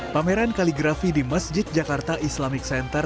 pameran kaligrafi di masjid jakarta islamic center